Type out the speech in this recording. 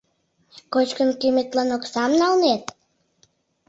Кочкын кийыметлан оксам налнет?..